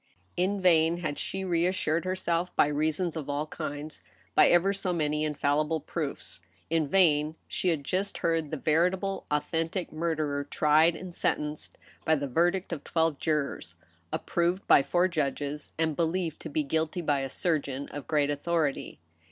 In vain had she reassured herself by reasons of all kinds, by ever so many infallible proofs. In vain she had just heard the veritable authentic murderer tried and sentenced by the verdict of twelve jurors, approved by four judges, and believed to be guilty by a sur geon of great authority.